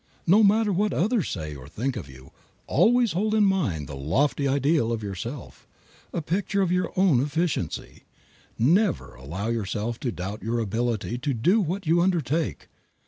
No matter what others say or think of you, always hold in mind a lofty ideal of yourself, a picture of your own efficiency. Never allow yourself to doubt your ability to do what you undertake.